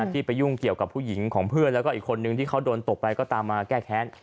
ที่ไปยุ่งเกี่ยวกับผู้หญิงของเพื่อนแล้วก็อีกคนนึงที่เขาโดนตกไปก็ตามมาแก้แค้น